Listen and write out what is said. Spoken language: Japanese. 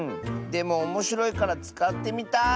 でもおもしろいからつかってみたい。